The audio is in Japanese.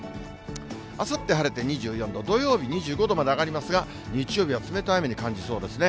あさって晴れて２４度、土曜日２５度まで上がりますが、日曜日は冷たい雨に感じそうですね。